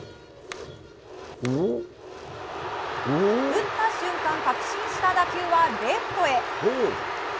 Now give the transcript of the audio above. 打った瞬間確信した打球はレフトへ。